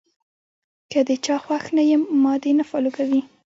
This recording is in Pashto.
کۀ د چا خوښ نۀ يم ما دې نۀ فالو کوي -